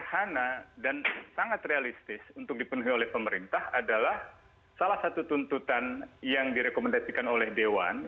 dan sebenarnya yang paling sederhana dan sangat realistis untuk dipenuhi oleh pemerintah adalah salah satu tuntutan yang direkomendasikan oleh dewan